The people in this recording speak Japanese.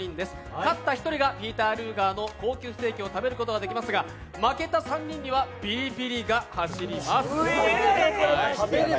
勝った１人がピーター・ルーガーの高級ステーキを食べることができますが負けた３人にはビリビリが走ります